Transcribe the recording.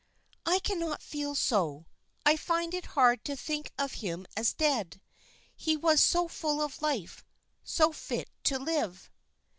"I cannot feel so; I find it hard to think of him as dead; he was so full of life, so fit to live."